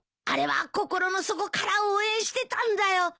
あれは心の底から応援してたんだよ。